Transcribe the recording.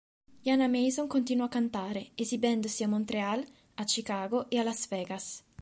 Jana Mason continuò a cantare, esibendosi a Montréal, a Chicago e a Las Vegas.